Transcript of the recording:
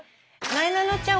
なえなのちゃん